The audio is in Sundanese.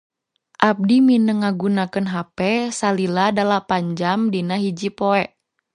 Abdi mineng ngagunakeun hape salila dalapan jam dina hiji poe